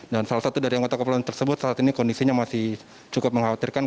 dan salah satu dari anggota kepolisian tersebut saat ini kondisinya masih cukup mengkhawatirkan